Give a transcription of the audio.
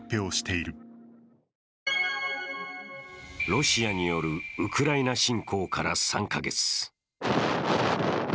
ロシアによるウクライナ侵攻から３カ月。